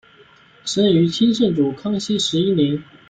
生于清圣祖康熙十一年。